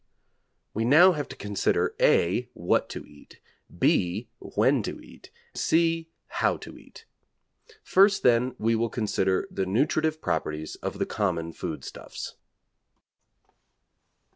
We have now to consider (a) what to eat, (b) when to eat, (c) how to eat. First, then, we will consider the nutritive properties of the common food stuffs.